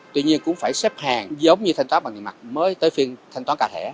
tuy nhiên cũng phải xếp hàng giống như thanh toán bằng tiền mặt mới tới phiên thanh toán cà thẻ